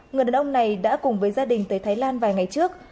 người đàn ông này đã cùng với gia đình tới thái lan vài ngày trước